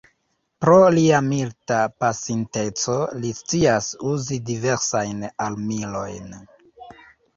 Pro lia milita pasinteco, li scias uzi diversajn armilojn.